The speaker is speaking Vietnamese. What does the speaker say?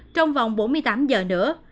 trong vòng bốn mươi tám giờ nữa